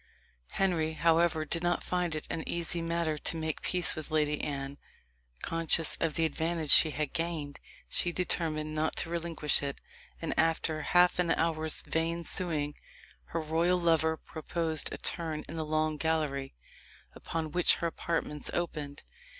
Henry, however, did not find it an easy matter to make peace with the Lady Anne. Conscious of the advantage she had gained, she determined not to relinquish it, and, after half an hour's vain suing, her royal lover proposed a turn in the long gallery, upon which her apartments opened.